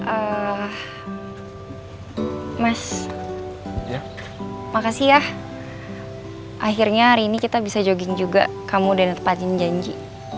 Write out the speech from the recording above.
ah ah ah mas makasih ya akhirnya hari ini kita bisa jogging juga kamu dan tepatin janji